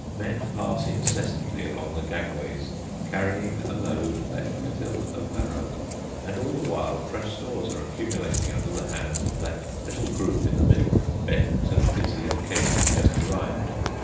Men pass incessantly along the gangways, carrying a load that would fill a barrow. And all the while fresh stores are accumulating under the hands of that little group in the middle, bent and busy at cases just arrived.